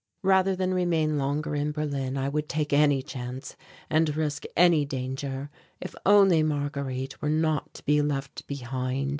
Rather than remain longer in Berlin I would take any chance and risk any danger if only Marguerite were not to be left behind.